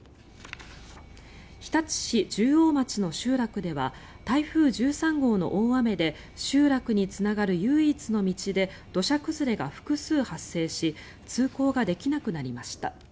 日立市十王町の集落では台風１３号の大雨で集落につながる唯一の道で土砂崩れが複数発生し通行ができなくなりました。